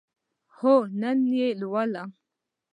هو، نن یی لولم